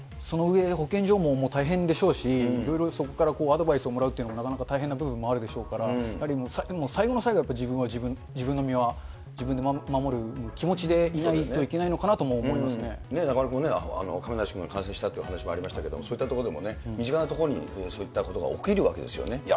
その上で保健所ももう大変でしょうし、いろいろそこからアドバイスをもらうっていうのも、なかなか大変な部分もあるでしょうから、やはり最後の最後は、自分は自分、自分の身は自分で守る気持ちでいないといけないのか中丸君もね、亀梨君も感染したという話もありましたけど、そういったところでもね、身近なところにそういったことが起きるわけですよね。